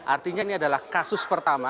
artinya ini adalah kasus pertama